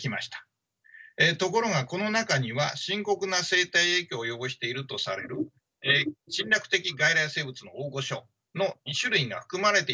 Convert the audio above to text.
ところがこの中には深刻な生態影響を及ぼしているとされる侵略的外来生物の大御所の２種類が含まれていませんでした。